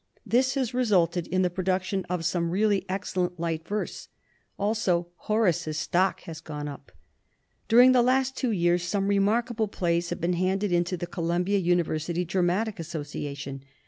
This has resulted in the production of some really excellent light verse. Also, Horace's stock has gone up. "During the last two years some remarkable plays have been handed into the Columbia Uni versity Dramatic Association.